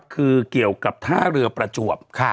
คือเกี่ยวกับท่าเรือประจวบ